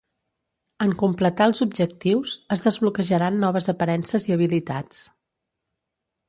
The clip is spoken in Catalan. En completar els objectius, es desbloquejaran noves aparences i habilitats.